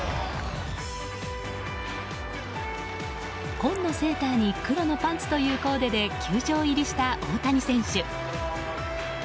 紺のセーターに黒のパンツというコーデで球場入りした大谷選手。